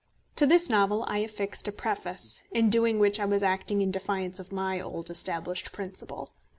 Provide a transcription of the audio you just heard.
To this novel I affixed a preface, in doing which I was acting in defiance of my old established principle.